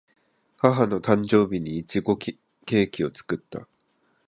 母の誕生日にいちごのケーキを作った